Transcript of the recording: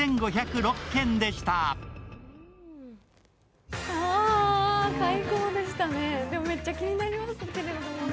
ＳＮＳには最高でしたね、でもめっちゃ気になりますけれどもね。